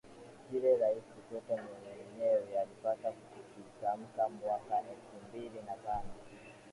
kile Rais Kikwete mwenyewe alipata kukitamka mwaka elfumbili na tano